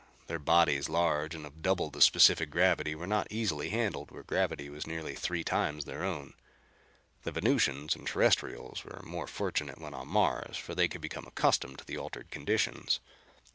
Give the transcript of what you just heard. Their bodies, large and of double the specific gravity, were not easily handled where gravity was nearly three times their own. The Venusians and Terrestrials were more fortunate when on Mars, for they could become accustomed to the altered conditions.